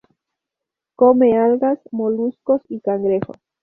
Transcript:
Come algas, moluscos y cangrejos.